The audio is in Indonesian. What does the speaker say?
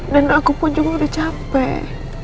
dan aku pun juga udah capek